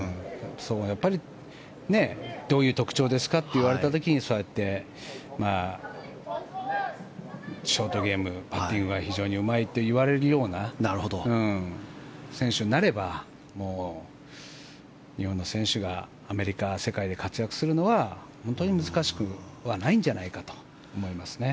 言われた時にそうやってショートゲームパッティングが非常にうまいといわれるような選手になれば日本の選手がアメリカ、世界で活躍するのは、本当に難しくはないんじゃないかと思いますね。